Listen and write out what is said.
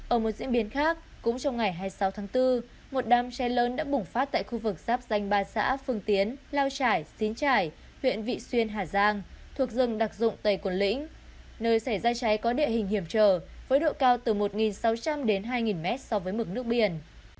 ở một diễn biến khác cũng trong ngày hai mươi sáu tháng bốn một đám cháy lớn đã bùng phát tại khu vực giáp danh ba xã phương tiến lao trải xín trải huyện vị xuyên hà giang thuộc rừng đặc dụng tây quần lĩnh nơi xảy ra cháy có địa hình hiểm trở với độ cao từ một sáu trăm linh đến hai mét so với mực nước biển